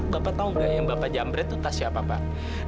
bapak tahu nggak yang bapak jamret itu tas siapa pak